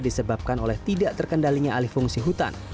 disebabkan oleh tidak terkendalinya alih fungsi hutan